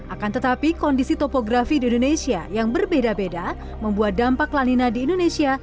akan tetapi kondisi topografi di indonesia yang berbeda beda membuat dampak lanina di indonesia